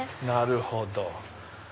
なるほど！